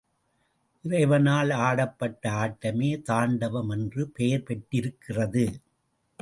இறைவனால் ஆடப்பட்ட ஆட்டமே தாண்டவம் என்று பெயர் பெற்றிருக்கிறது.